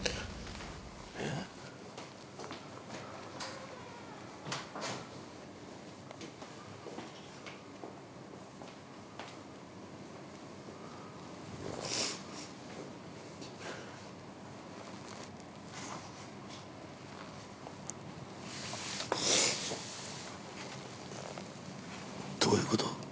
えっ？どういうこと？